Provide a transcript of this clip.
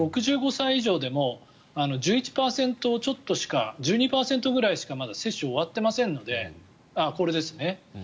６５歳以上でも１１％ちょっと、１２％しかまだ接種は終わっていませんのでこれですね。